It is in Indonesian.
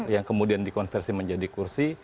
yang kemudian dikonversi menjadi kursi